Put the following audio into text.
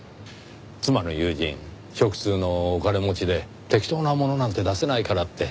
妻の友人食通のお金持ちで適当なものなんて出せないからって。